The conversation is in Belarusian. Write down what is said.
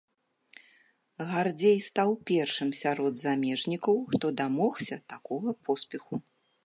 Гардзей стаў першым сярод замежнікаў, хто дамогся такога поспеху.